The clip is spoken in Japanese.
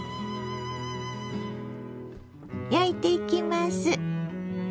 焼いていきます。